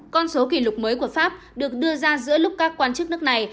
con số kỷ lục mới của pháp được đưa ra giữa lúc các quan chức nước này